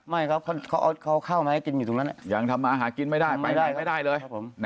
ไม่ครับเขาเอาข้าวมาให้กินอยู่ตรงนั้นยังทำมาหากินไม่ได้ไปได้ไม่ได้เลย